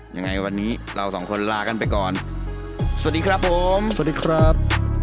ยังไงวันนี้เราสองคนลากันไปก่อนสวัสดีครับผมสวัสดีครับ